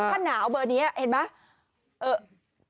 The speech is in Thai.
ถ้าหนาวเบอร์นี้เห็นไหม